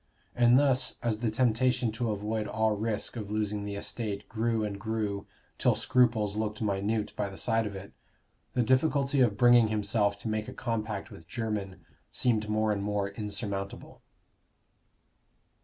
And thus, as the temptation to avoid all risk of losing the estate grew and grew till scruples looked minute by the side of it, the difficulty of bringing himself to make a compact with Jermyn seemed more and more insurmountable.